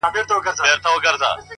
په ټوله کلي کي د دوو خبرو څوک نه لري’